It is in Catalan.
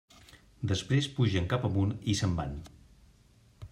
Després pugen cap amunt i se'n van.